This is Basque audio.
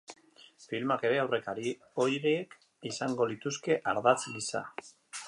Filmak ere aurrekari horiek izango lituzke ardatz gisa.